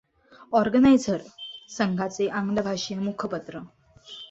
organiser संघाचे आंग्लभाषीय मुखपत्र